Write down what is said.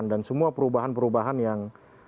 sembilan puluh delapan dan semua perubahan perubahan yang